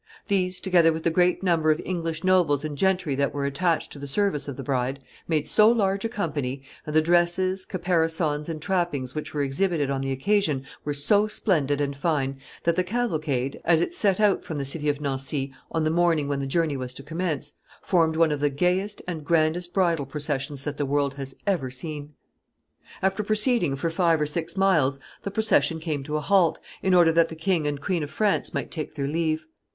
These together with the great number of English nobles and gentry that were attached to the service of the bride, made so large a company, and the dresses, caparisons, and trappings which were exhibited on the occasion were so splendid and fine, that the cavalcade, as it set out from the city of Nancy on the morning when the journey was to commence, formed one of the gayest and grandest bridal processions that the world has ever seen. [Sidenote: Parting with the King and Queen of France.] After proceeding for five or six miles the procession came to a halt, in order that the King and Queen of France might take their leave.